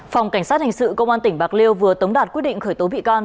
phòng cảnh sát hình sự công an tỉnh bạc liêu vừa tống đạt quyết định khởi tố bị can